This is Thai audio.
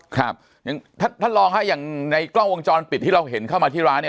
ครับอย่างท่านท่านรองฮะอย่างในกล้องวงจรปิดที่เราเห็นเข้ามาที่ร้านเนี่ย